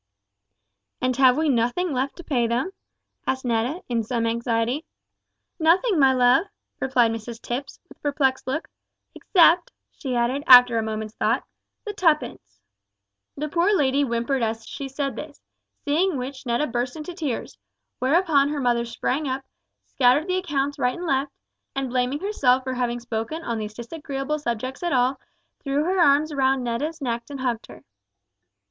"And have we nothing left to pay them?" asked Netta, in some anxiety. "Nothing, my love," replied Mrs Tipps, with a perplexed look, "except," she added, after a moment's thought, "the tuppence!" The poor lady whimpered as she said this, seeing which Netta burst into tears; whereupon her mother sprang up, scattered the accounts right and left, and blaming herself for having spoken on these disagreeable subjects at all, threw her arms round Netta's neck and hugged her.